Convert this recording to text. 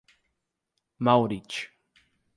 Mauriti